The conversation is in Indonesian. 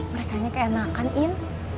mereka nya keenakan in